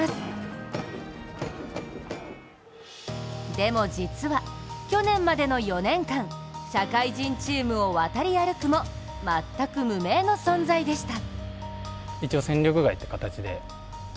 でも実は、去年までの４年間社会人チームを渡り歩くも全く無名の存在でした。